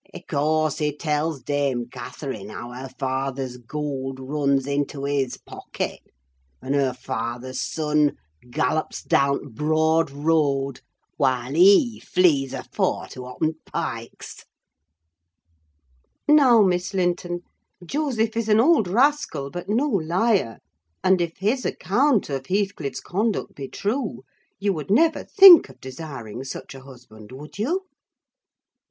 I' course, he tells Dame Catherine how her fathur's goold runs into his pocket, and her fathur's son gallops down t' broad road, while he flees afore to oppen t' pikes!' Now, Miss Linton, Joseph is an old rascal, but no liar; and, if his account of Heathcliff's conduct be true, you would never think of desiring such a husband, would you?"